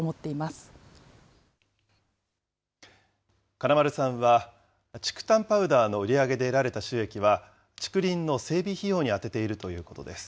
金丸さんは、竹炭パウダーの売り上げで得られた収益は、竹林の整備費用に充てているということです。